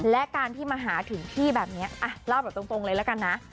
และการที่มาหาถึงที่แบบนี้เล่าแบบตรงเลยละกันนะ